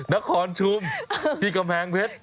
นครชุมที่กำแพงเพชร